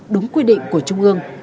đúng quy định của trung ương